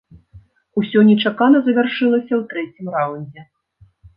Усё нечакана завяршылася ў трэцім раўндзе.